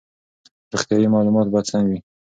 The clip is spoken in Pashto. روغتیايي معلومات باید سم وي.